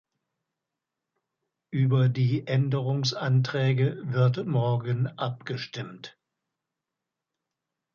Über die Änderungsanträge wird morgen abgestimmt.